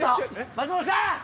松本さん